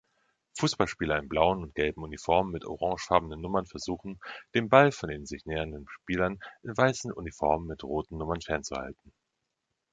Fussballspieler in blauen und gelben Uniformen mit orangefarbenen Nummern versuchen, den Ball von den sich nähernden Spielern in weißen Uniformen mit roten Nummern fernzuhalten